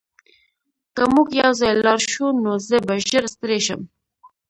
که موږ یوځای لاړ شو نو زه به ژر ستړی شم